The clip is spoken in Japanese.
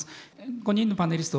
５人のパネリスト